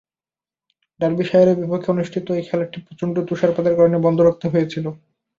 ডার্বিশায়ারের বিপক্ষে অনুষ্ঠিত ঐ খেলাটি প্রচণ্ড তুষারপাতের কারণে বন্ধ রাখতে হয়েছিল।